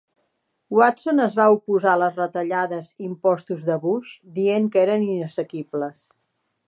Watson es va oposar a les retallades 'impostos de Bush, dient que eren inassequibles.